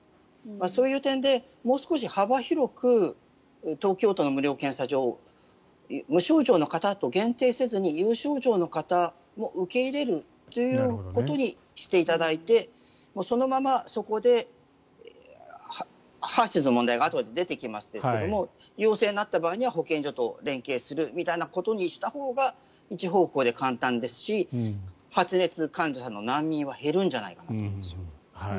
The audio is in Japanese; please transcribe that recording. そういう点でもう少し幅広く東京都の無料検査場を無症状の方と限定せずに有症状の方も受け入れるということにしていただいてそのままそこでＨＥＲ−ＳＹＳの問題があとで出てきますが陽性になった場合には保健所と連携するという形にしたほうが一方向で簡単ですし発熱患者さんの難民は減るんじゃないかなと思います。